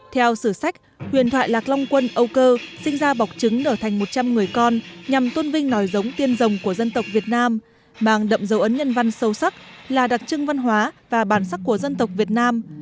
theo sử sách huyền thoại lạc long quân âu cơ sinh ra bọc trứng nở thành một trăm linh người con nhằm tôn vinh nòi giống tiên rồng của dân tộc việt nam mang đậm dấu ấn nhân văn sâu sắc là đặc trưng văn hóa và bản sắc của dân tộc việt nam